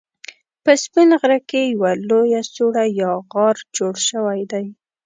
په سپين غره کې يوه لويه سوړه يا غار جوړ شوی دی